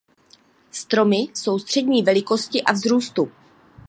Stromy jsou střední velikosti a vzrůstu.